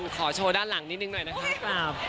ขอโชว์ด้านหลังนิดนึงหน่อยนะคะ